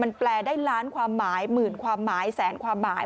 มันแปลได้ล้านความหมายหมื่นความหมายแสนความหมาย